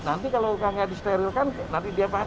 nanti kalau nggak disterilkan nanti dia patut